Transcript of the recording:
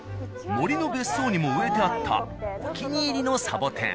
森の別荘にも植えてあったお気に入りのサボテン。